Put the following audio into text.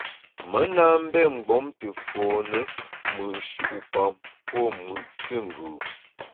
Me na mbé mgbom te fone mùt nshu’pam pô mùt füngù.